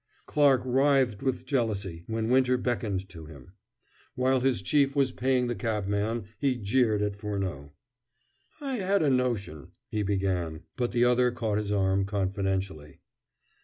Clarke writhed with jealousy when Winter beckoned to him. While his chief was paying the cabman, he jeered at Furneaux. "I had a notion " he began, but the other caught his arm confidentially.